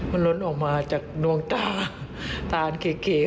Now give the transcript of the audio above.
มันล้นออกมาจากดวงตาตาอันเขียวของเรา